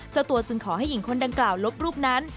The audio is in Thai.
เจ้าตัวจึงขอให้หญิงคนดังกล่าวลบรูปนั้น